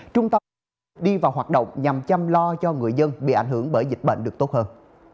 trung tâm an sinh sẽ đi vào hoạt động nhằm chăm lo cho người dân bị ảnh hưởng bởi dịch bệnh được tốt hơn